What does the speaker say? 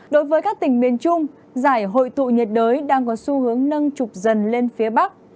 đối với các tỉnh miền trung giải hội tụ nhiệt đới đang có xu hướng nâng trục dần lên phía bắc